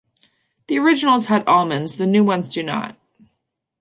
The originals had almonds, the new ones do not.